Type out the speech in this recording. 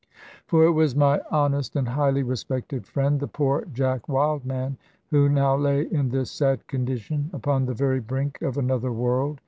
For it was my honest and highly respected friend, the poor Jack Wildman, who now lay in this sad condition, upon the very brink of another world.